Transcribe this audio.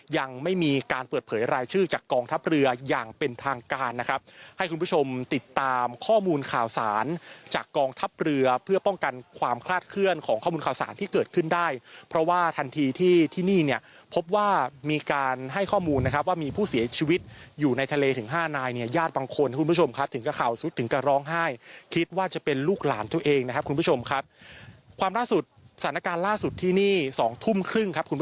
ยังไม่มีการเปิดเผยรายชื่อจากกองทัพเรืออย่างเป็นทางการนะครับให้คุณผู้ชมติดตามข้อมูลข่าวสารจากกองทัพเรือเพื่อป้องกันความคลาดเคลื่อนของข้อมูลข่าวสารที่เกิดขึ้นได้เพราะว่าทันทีที่ที่นี่เนี่ยพบว่ามีการให้ข้อมูลนะครับว่ามีผู้เสียชีวิตอยู่ในทะเลถึงห้านายเนี่ยญาติบางคนคุณผู้ชมครับถึงก